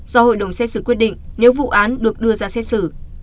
do hội đồng xét xử quyết định nếu vụ án được đưa ra xét xử